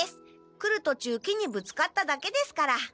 来るとちゅう木にぶつかっただけですから。